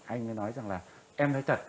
anh mới nói rằng là em nói thật